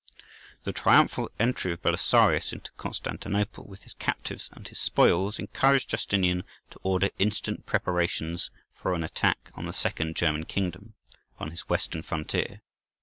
_ The triumphal entry of Belisarius into Constantinople with his captives and his spoils, encouraged Justinian to order instant preparations for an attack on the second German kingdom, on his western frontier.